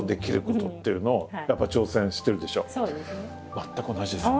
全く同じですよ。